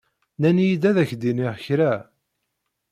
Nnan-iyi-d ad ak-d-iniɣ kra.